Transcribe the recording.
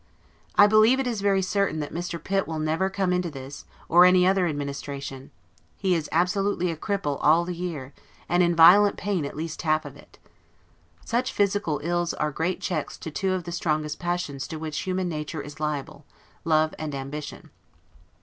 I believe it is very certain that Mr. Pitt will never come into this, or any other administration: he is absolutely a cripple all the year, and in violent pain at least half of it. Such physical ills are great checks to two of the strongest passions to which human nature is liable, love and ambition.